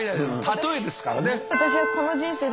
例えですからね。